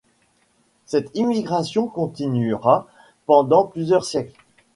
Cette immigration continuera pendant plusieurs siècles.